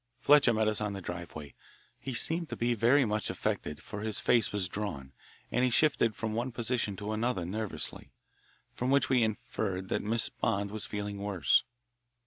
Fletcher met us on the driveway. He seemed to be very much affected, for his face was drawn, and he shifted from one position to another nervously, from which we inferred that Miss Bond was feeling worse.